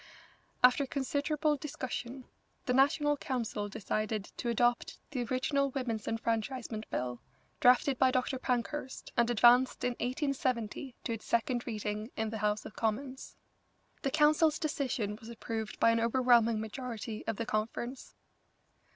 After considerable discussion, the National Council decided to adopt the original Women's Enfranchisement Bill, drafted by Dr. Pankhurst, and advanced in 1870 to its second reading in the House of Commons. The Council's decision was approved by an overwhelming majority of the conference.